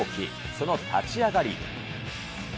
その立ち上がり。